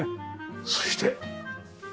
そして。